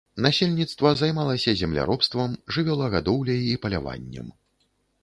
Насельніцтва займалася земляробствам, жывёлагадоўляй і паляваннем.